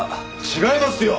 違いますよ！